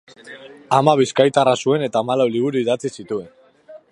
Ama bizkaitarra zuen eta hamalau liburu idatzi zituen.